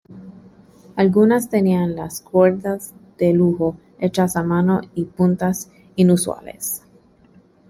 Algunas tenían las cuerdas de lujo, hechas a mano y puntas inusuales.